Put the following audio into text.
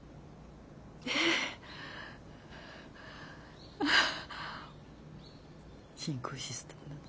えっ！？ああ。